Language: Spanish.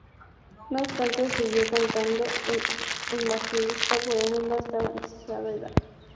No obstante, siguió cantando el Evangelista por el mundo hasta avanzada edad.